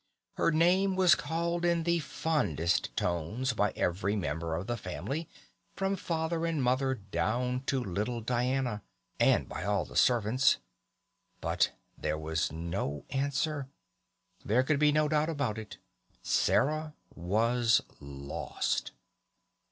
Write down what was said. Her name was called in the fondest tones by every member of the family from father and mother down to little Diana, and by all the servants, but there was no answer. There could be no doubt about it Sarah was lost!